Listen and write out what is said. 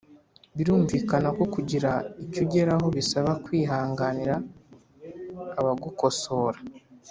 Birumvikana ko kugira icyo ugeraho bisaba kwihanganira abagukosora